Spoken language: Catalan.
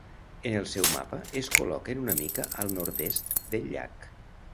En el seu mapa es col·loquen una mica al nord-est del llac.